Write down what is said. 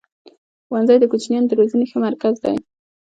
ښوونځی د کوچنیانو د روزني ښه مرکز دی.